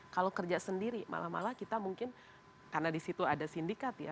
kalau kerja sendiri malah malah kita mungkin karena di situ ada sindikat ya